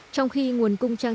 trong khi nguồn cung trang